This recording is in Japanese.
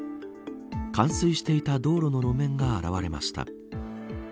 冠水していた道路の路面が現れました。